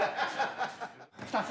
２つ。